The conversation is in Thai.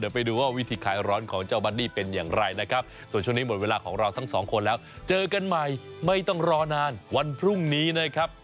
ไปดูว่าวิธีขายร้อนของเจ้าบัดดี้เป็นอย่างไรนะครับส่วนช่วงนี้หมดเวลาของเราทั้งสองคนแล้วเจอกันใหม่ไม่ต้องรอนานวันพรุ่งนี้นะครับ